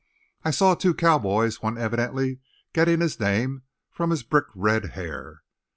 I saw two cowboys, one evidently getting his name from his brick red hair.